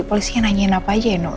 polisi nanya apa aja noh